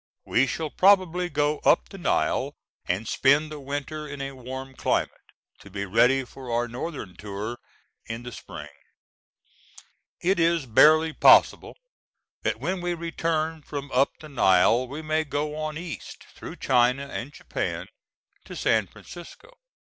We shall probably go up the Nile, and spend the winter in a warm climate, to be ready for our northern tour in the spring. It is barely possible that when we return from up the Nile we may go on East, through China and Japan to San Francisco.